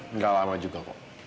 enggak lama juga mo